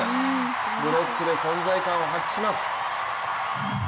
ブロックで存在感を発揮します。